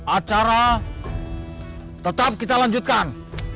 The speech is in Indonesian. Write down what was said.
acara tetap kita lanjutkan